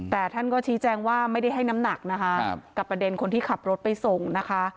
แต่ท่านก็ชี้แจงว่าไม่ได้ให้น้ำหนักนะคะกับประเด็นคนที่ขับรถไปส่งนะคะ